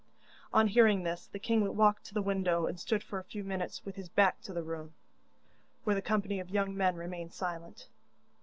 On hearing this the king walked to the window and stood for a few minutes with his back to the room, where the company of young men remained silent.